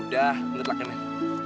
udah ngetelaknya men